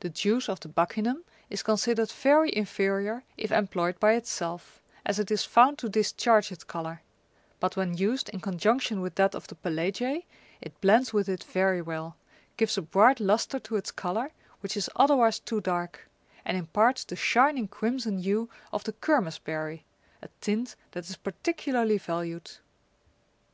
The juice of the buccinum is considered very inferior if employed by itself, as it is found to discharge its colour ; but when used in conjunction with that of the pelagiae, it blends ^^ with it very well, gives a bright lustre to its colour, which is otherwise too dark, and imparts the shining crimson hue of the kermes berry, a tint that is particularly valued.